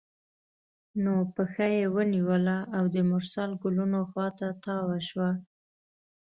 نو پښه یې ونیوله او د مرسل ګلونو خوا ته تاوه شوه.